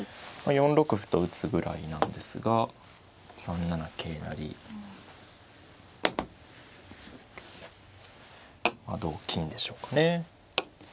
４六歩と打つぐらいなんですが３七桂成同金でしょうかね。